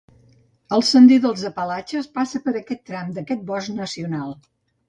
El sender dels Apalatxes passa per aquest tram d'aquest bosc nacional.